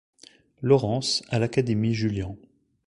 Laurens à l'Académie Julian.